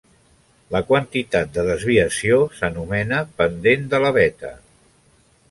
La quantitat de desviació s'anomena pendent de la veta.